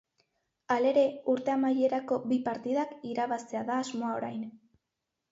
Halere, urte amaierako bi partidak irabaztea da asmoa orain.